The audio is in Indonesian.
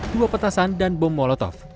dua petasan dan bom molotov